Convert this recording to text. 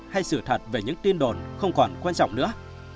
hay sự thật về những tin đồn không còn quan trọng nữa